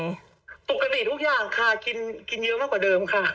ปกติทุกอย่างค่ะกินเยอะมากกว่าเดิมค่ะ